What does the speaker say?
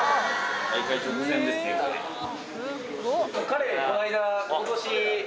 彼この間。